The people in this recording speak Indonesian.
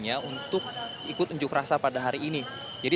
membawa dari pengunjuk rasa ini mereka tidak memaksakan kepada para mitra lain